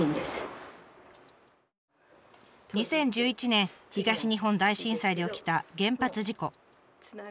２０１１年東日本大震災で起きた原発事故。